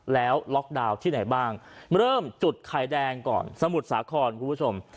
แล้วล็อกดาวน์ที่ไหนบ้างเริ่มจุดไข่แดงก่อนสมุทรสาครคุณผู้ชม